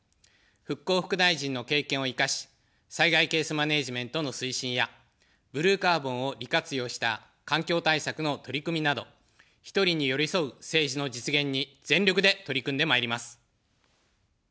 復興副大臣の経験を生かし、災害ケースマネジメントの推進や、ブルーカーボンを利活用した環境対策の取り組みなど、１人に寄り添う政治の実現に全力で取り組んでまいります。